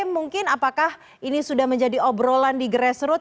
mungkin apakah ini sudah menjadi obrolan di grassroot